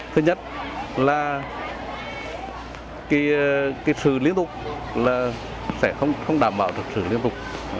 thứ nhất là sự liên tục sẽ không đảm bảo sự liên tục